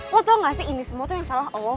gue tau gak sih ini semua tuh yang salah allah